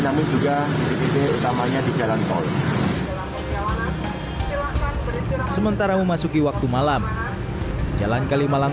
namun juga di titik utamanya di jalan tol sementara memasuki waktu malam jalan kalimalang